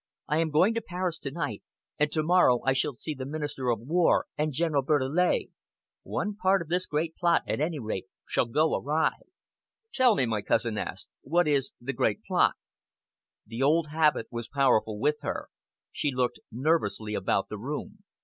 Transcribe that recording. I am going to Paris to night, and to morrow I shall see the Minister of War and General Bertillet. One part of this great plot, at any rate, shall go awry." "Tell me," my cousin asked, "what is the Great Plot?" The old habit was powerful with her. She looked nervously about the room.